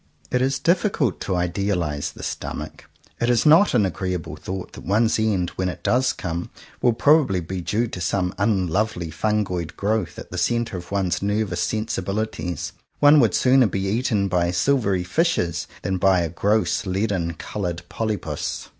It is difficult to idealize the stomach. It is not an agreeable thought that one's end, when it does come, will probably be due to some unlovely fungoid growth at the centre of one's nervous sensibilities. One would sooner be eaten by silvery fishes than by a gross leaden coloured polypus.